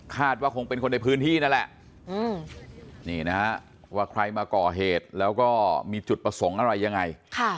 ว่าคงเป็นคนในพื้นที่นั่นแหละนี่นะฮะว่าใครมาก่อเหตุแล้วก็มีจุดประสงค์อะไรยังไง